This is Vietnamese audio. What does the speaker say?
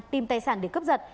tìm tài sản để cấp giật